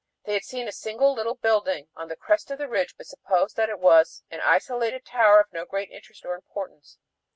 They had seen a single little building on the crest of the ridge, but supposed that it was an isolated tower of no great interest or importance.